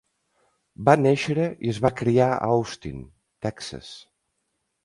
Va néixer i es va criar a Austin, Texas.